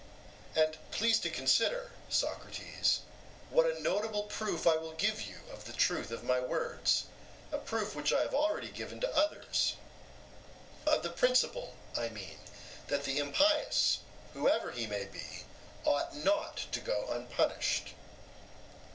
And please to consider, Socrates, what a notable proof I will give you of the truth of my words, a proof which I have already given to others: of the principle, I mean, that the impious, whoever he may be, ought not to go unpunished.